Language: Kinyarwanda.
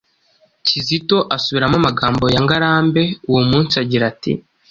Kizito asubiramo amagambo ya Ngarambe uwo munsi agira ati: